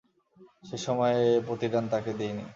সে সময়ে এ প্রতিদান তাকে দিইনি।